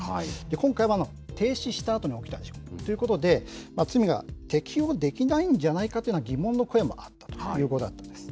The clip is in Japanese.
今回は停止したあとに起きた事故ということで、罪が適用できないんじゃないかというような疑問の声もあったということなんです。